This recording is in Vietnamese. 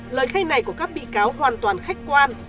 lời khai này của các bị cáo hoàn toàn khách quan